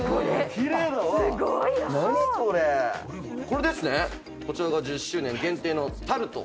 これですねこちらが１０周年限定のタルト。